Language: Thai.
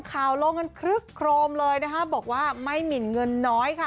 ลงกันครึกโครมเลยนะคะบอกว่าไม่หมินเงินน้อยค่ะ